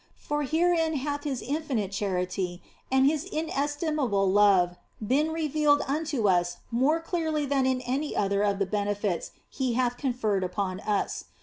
For herein hath His infinite charity and His inestimable love been revealed unto us more clearly than in any other of the benefits He hath conferred upon us.